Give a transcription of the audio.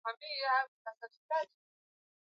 Tabasamu langu kwako.